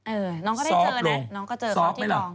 เออน้องก็ได้เจอแล้วเนี่ยน้องก็เจอเขาที่ลอง